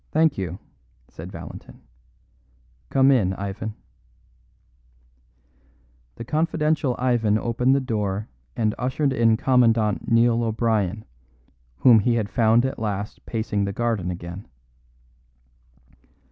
"Thank you," said Valentin. "Come in, Ivan." The confidential Ivan opened the door and ushered in Commandant Neil O'Brien, whom he had found at last pacing the garden again.